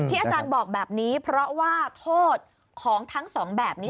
อาจารย์บอกแบบนี้เพราะว่าโทษของทั้งสองแบบนี้